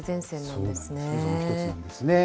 その一つなんですね。